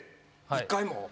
１回も？